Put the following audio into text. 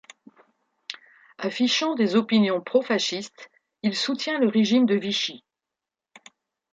Affichant des opinions pro-fascistes, il soutient le régime de Vichy.